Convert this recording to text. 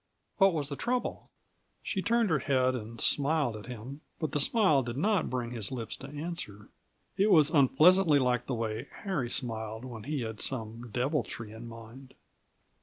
What was the trouble?" She turned her head and smiled at him but the smile did not bring his lips to answer; it was unpleasantly like the way Harry smiled when he had some deviltry in mind.